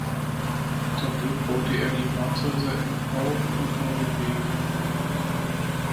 Daneben baute er die Rathäuser in Auggen und Neuenweg.